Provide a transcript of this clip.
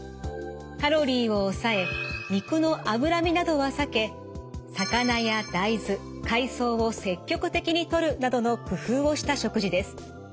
カロリーを抑え肉の脂身などは避け魚や大豆海藻を積極的にとるなどの工夫をした食事です。